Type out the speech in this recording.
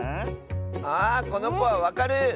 あこのこはわかる！